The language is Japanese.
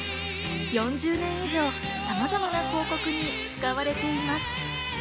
４０年以上、さまざまな広告に使われています。